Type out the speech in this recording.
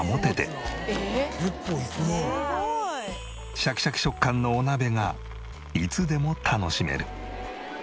シャキシャキ食感のお鍋がいつでも楽しめる。